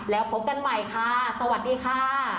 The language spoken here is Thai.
แล้วพบกันใหม่ค่ะสวัสดีค่ะ